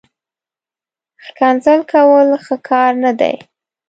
ښکنځل کول، ښه کار نه دئ